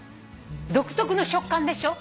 独特の食感でしょ。